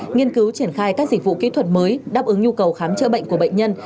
nghiên cứu triển khai các dịch vụ kỹ thuật mới đáp ứng nhu cầu khám chữa bệnh của bệnh nhân